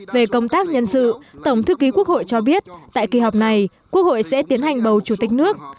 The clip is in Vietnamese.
về công tác nhân sự tổng thư ký quốc hội cho biết tại kỳ họp này quốc hội sẽ tiến hành bầu chủ tịch nước